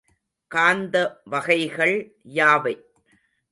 காந்த வகைகள் யாவை?